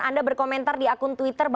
anda berkomentar di akun twitter